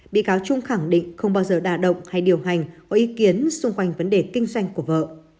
bị cáo trung khẳng định không bao giờ đà động hay điều hành có ý kiến xung quanh vấn đề kinh doanh của vợ